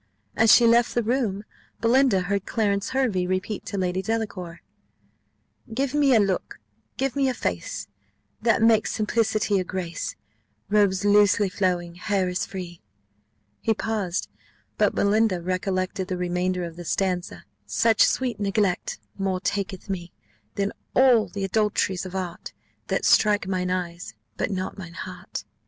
As she left the room, Belinda heard Clarence Hervey repeat to Lady Delacour "Give me a look, give me a face, That makes simplicity a grace; Robes loosely flowing, hair as free " he paused but Belinda recollected the remainder of the stanza "Such sweet neglect more taketh me Than all th'adulteries of art, That strike mine eyes, but not mine heart."